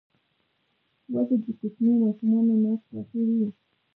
وزې د کوچنیو ماشومانو ناز خوښوي